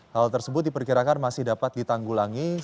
hal tersebut diperkirakan masih dapat ditanggulangi